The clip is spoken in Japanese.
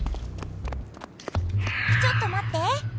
ちょっとまって。